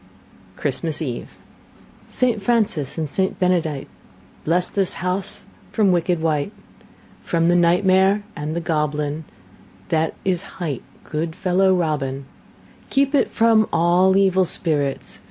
Christmas Eve Saint Francis and Saint Benedight Blesse this house from wicked wight, From the night mare and the goblin, That is hight good fellow Robin; Keep it from all evil spirits.